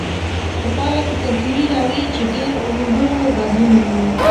په پایله کې کلتوري رویې چې ډېر ورو بدلون مومي.